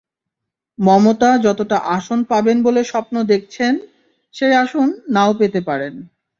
মমতা যতটা আসন পাবেন বলে স্বপ্ন দেখছেন, সেই আসন না-ও পেতে পারেন।